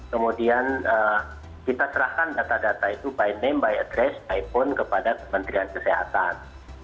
kemudian kita serahkan data data itu by name by address by phone kepada kementerian kesehatan